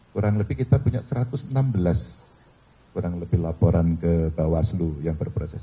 kurang lebih kita punya satu ratus enam belas kurang lebih laporan ke bawaslu yang berproses